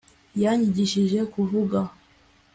yanyigishije kuvuga